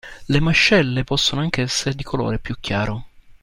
Le mascelle possono anche essere di colore più chiaro.